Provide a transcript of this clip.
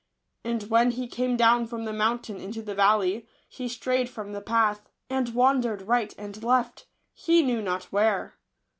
And when he came down from the mountain into the valley, he strayed from the path, and wandered right and left, he knew not where.